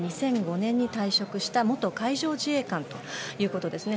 ２００５年に退職した元海上自衛官ということですね。